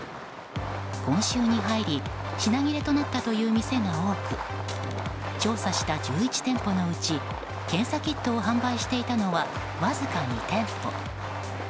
今週に入り品切れとなったという店が多く調査した１１店舗のうち検査キットを販売していたのはわずか２店舗。